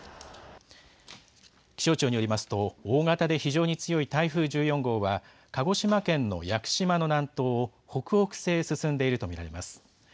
気象庁によりますと、大型で非常に強い台風１４号は、鹿児島県の屋久島の南東を北北西へ進んでいると見られます。